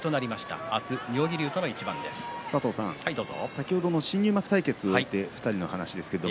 先ほどの新入幕対決の２人の話です。